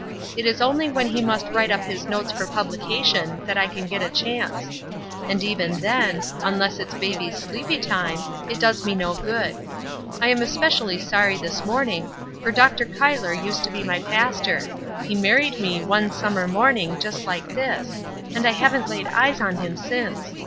It is only when he must write up his notes for publication that I can get a chance; and even then, unless it is baby's sleepy time, it does me no good. I am especially sorry this morning, for Dr. Cuyler used to be my pastor. He married me one summer morning just like this, and I haven't laid eyes on him since.